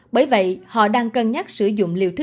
bởi vậy họ đang cân nhắc sử dụng liệu thứ bốn